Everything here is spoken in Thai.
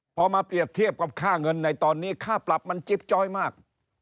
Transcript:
พอมาเปรียบเทียบกับค่าเงินในตอนนี้ค่าปรับมันจิ๊บจ้อยมาก